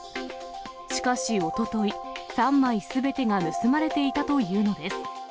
しかしおととい、３枚すべてが盗まれていたというのです。